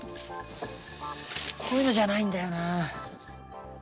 こういうのじゃないんだよな。